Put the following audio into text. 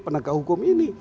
penegak hukum ini